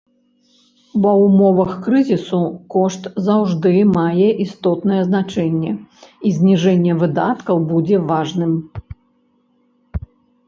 Ва ўмовах крызісу кошт заўжды мае істотнае значэнне, і зніжэнне выдаткаў будзе важным.